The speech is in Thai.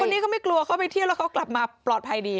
นี้ก็ไม่กลัวเขาไปเที่ยวแล้วเขากลับมาปลอดภัยดี